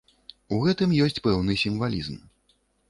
У гэтым ёсць пэўны сімвалізм.